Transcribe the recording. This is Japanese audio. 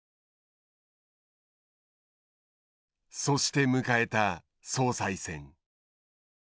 そして迎えた総裁選。